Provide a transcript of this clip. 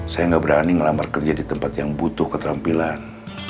saya nggak berani ngelamar kerja di tempat yang butuh keterampilan